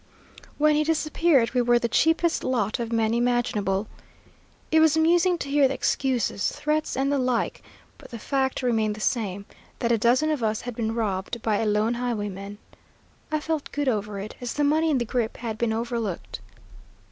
When he disappeared we were the cheapest lot of men imaginable. It was amusing to hear the excuses, threats, and the like; but the fact remained the same, that a dozen of us had been robbed by a lone highwayman. I felt good over it, as the money in the grip had been overlooked.